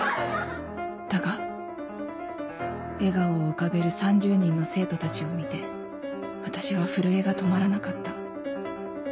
だが笑顔を浮かべる３０人の生徒たちを見て私は震えが止まらなかった